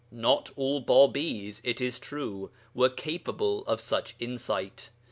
Not all Bābīs, it is true, were capable of such insight.